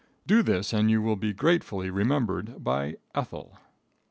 Do this and you will be gratefully remembered by Ethel."